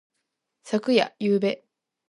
昨夜。ゆうべ。